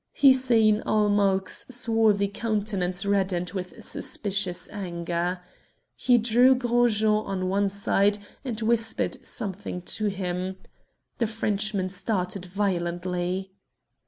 Hussein ul Mulk's swarthy countenance reddened with suspicious anger. He drew Gros Jean on one side and whispered something to him. The Frenchman started violently.